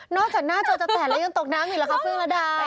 จากหน้าจอจะแตกแล้วยังตกน้ำอีกเหรอคะเฟื่องระดา